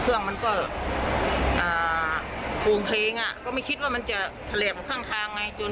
เครื่องมันก็ฟูลงเพลงก็ไม่คิดว่ามันจะเขลบข้างทางไง